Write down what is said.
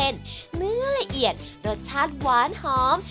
เนื้อละเอียดรสชาติหวานหอม